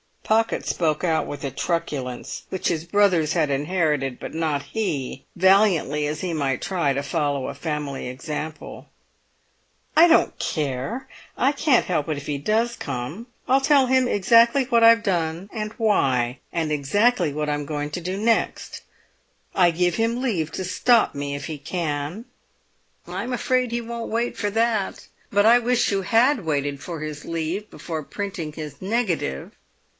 Pocket spoke out with a truculence which his brothers had inherited, but not he, valiantly as he might try to follow a family example. "I don't care! I can't help it if he does come. I'll tell him exactly what I've done, and why, and exactly what I'm going to do next. I give him leave to stop me if he can." "I'm afraid he won't wait for that. But I wish you had waited for his leave before printing his negative."